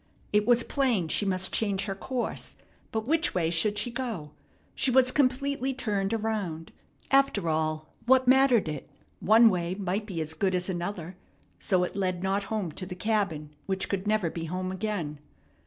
It was plain she must change her course, but which way should she go? She was completely turned around. After all, what mattered it? One way might be as good as another, so it led not home to the cabin which could never be home again.